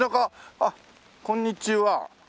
あっこんにちは。